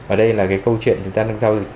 ở đây là cái câu chuyện chúng ta đang giao dịch